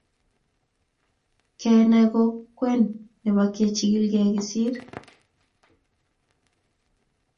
Kenai ko kwen nebo kekilchigeiang kesir